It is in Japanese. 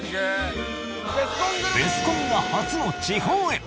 「ベスコン」が初の地方へ！